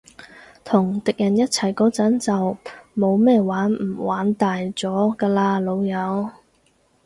同敵人一齊嗰陣，就冇咩玩唔玩大咗㗎喇，老友